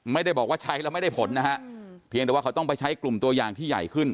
ไม่ได้บอกว่าใช้แล้วไม่ได้ผลนะฮะเพียงแต่ว่าเขาต้องไปใช้กลุ่มตัวอย่างที่ใหญ่ขึ้น